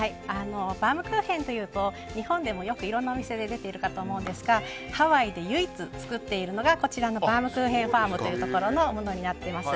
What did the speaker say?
バウムクーヘンというと日本でもいろいろなお店で出ていますがハワイで唯一作っているのがこちらのバウムクーヘン・ファームというところになっております。